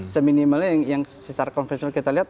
seminimalnya yang secara konvensional kita lihat